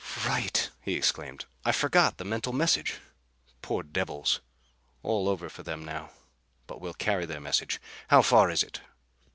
"Right!" he exclaimed. "I forgot the mental message. Poor devils! All over for them now. But we'll carry their message. How far is it?"